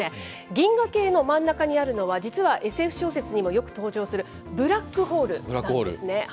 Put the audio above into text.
銀河系の真ん中にあるのは、実はＳＦ小説にもよく登場するブラックホールなんですね。